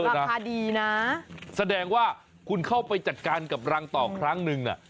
ราคาดีนะแสดงว่าคุณเข้าไปจัดการกับรังต่อครั้งหนึ่งน่ะ